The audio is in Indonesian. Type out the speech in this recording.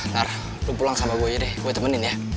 ntar lu pulang sama gue aja deh gue temenin ya